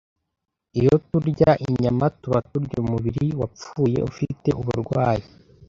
Iyo turya inyama, tuba turya umubiri wapfuye ufite uburwayi